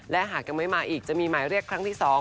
และหากยังไม่มาอีกจะมีหมายเรียกครั้งที่๒